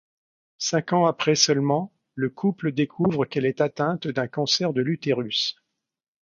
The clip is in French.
Cinq ans après seulement, le couple découvre qu'elle est atteinte d'un cancer de l'utérus.